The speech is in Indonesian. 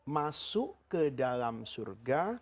masuk ke dalam surga